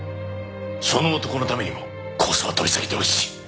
その男のためにも控訴を取り下げてほしい。